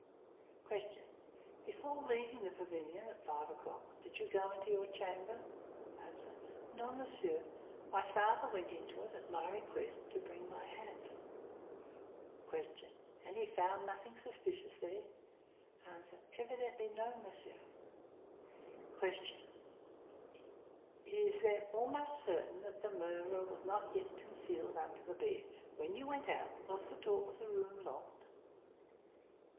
"Q. Before leaving the pavilion at five o'clock, did you go into your chamber? "A. No, monsieur, my father went into it, at my request to bring me my hat. "Q. And he found nothing suspicious there? "A. Evidently no, monsieur. "Q. It is, then, almost certain that the murderer was not yet concealed under the bed. When you went out, was the door of the room locked?